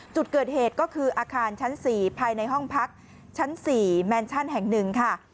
จุดเกิดเหตุก็คืออาคารชั้น๔ภายในห้องพักชั้น๔แมนชั่นแห่ง๑ค่ะ